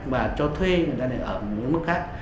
và cho thuê người ta lại ở một mức khác